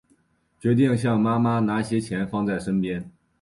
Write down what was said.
决定向妈妈拿些钱放在身边